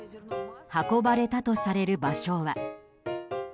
運ばれたとされる場所は。